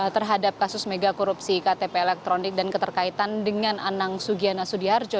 terhadap kasus mega korupsi ktp elektronik dan keterkaitan dengan anang sugiana sudiharjo